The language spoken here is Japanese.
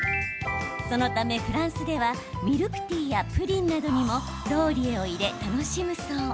そのためフランスではミルクティーやプリンなどにもローリエを入れ、楽しむそう。